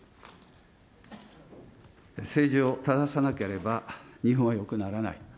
政治を正さなければ日本はよくならない。